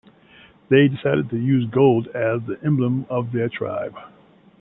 They decided to use gold as the emblem of their tribe.